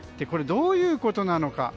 どういうことなのか。